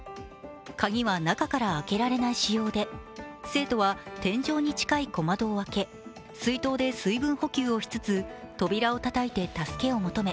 鍵は中から開けられない仕様で、生徒は天井に近い小窓を開け水筒で水分補給をしつつ扉をたたいて助けを求め